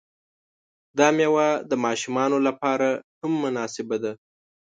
دا میوه د ماشومانو لپاره هم مناسبه ده.